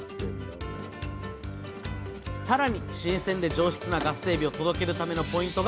さらに新鮮で上質なガスエビを届けるためのポイントが選別！